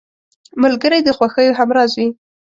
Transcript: ملګری د خوښیو همراز وي